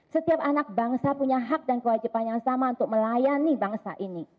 setiap anak bangsa punya hak dan kewajiban yang sama untuk melayani bangsa ini